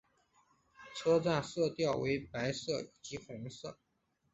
车站色调为白色及红色。